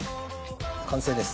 完成です。